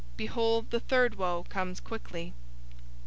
Behold, the third woe comes quickly.